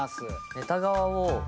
ネタ側を。